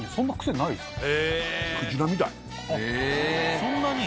そんなに？